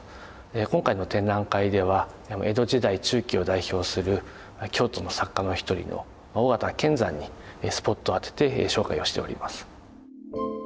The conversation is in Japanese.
今回の展覧会では江戸時代中期を代表する京都の作家の一人の尾形乾山にスポットを当てて紹介をしております。